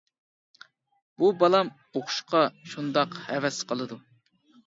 بۇ بالام ئوقۇشقا شۇنداق ھەۋەس قىلىدۇ.